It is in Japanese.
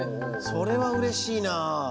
それはうれしいな。